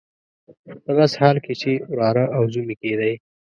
په داسې حال کې چې وراره او زوم یې کېدی.